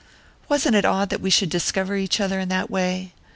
Wasn't it odd that we should discover each other in that way?